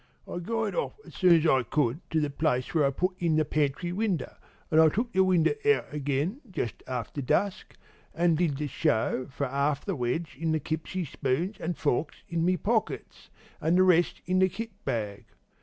"I guyed off as soon as I could to the place where I put in the pantry winder, an' I took the winder out again, just after dusk, an' did the show for 'alf the wedge in the kipsy spoons an' forks in my pockets, an' the rest in the kit bag.